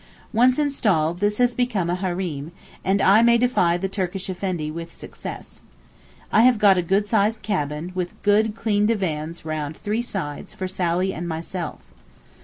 Once installed, this has become a hareem, and I may defy the Turkish Effendi with success. I have got a good sized cabin with good, clean divans round three sides for Sally and myself.